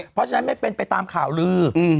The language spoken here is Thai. เพราะฉะนั้นไม่เป็นไปตามข่าวลือ